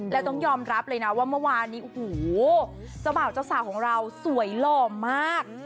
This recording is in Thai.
แล้วต้องยอมรับเลยนะว่าเมื่อวานนี้โอ้โหเจ้าบ่าวเจ้าสาวของเราสวยหล่อมาก